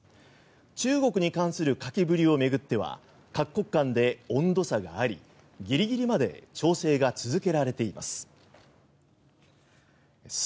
中国に関する書きぶりを巡っては各国間で温度差がありギリギリまで調整が続けられています。